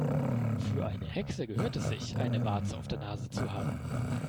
Für eine Hexe gehört es sich, eine Warze auf der Nase zu haben.